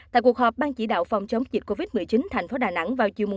tại cuộc họp ban chỉ đạo phòng chống dịch covid một mươi chín tp đà nẵng vào chiều